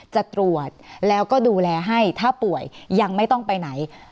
จะตรวจแล้วก็ดูแลให้ถ้าป่วยยังไม่ต้องไปไหน